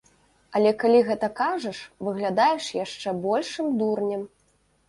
Але калі гэта кажаш, выглядаеш яшчэ большым дурнем.